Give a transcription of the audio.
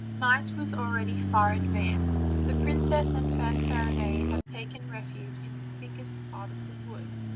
Night was already far advanced; the princess and Fanfarinet had taken refuge in the thickest part of the wood.